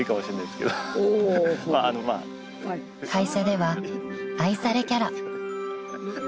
［会社では愛されキャラ］